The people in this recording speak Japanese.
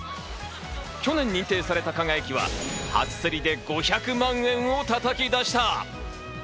去年認定された「輝」は初競りで５００万円を叩き出した。